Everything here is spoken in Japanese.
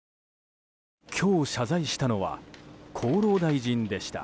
今日、謝罪したのは厚労大臣でした。